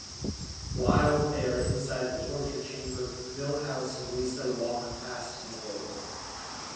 While they are inside the torture chamber, Milhouse and Lisa walk past an orb.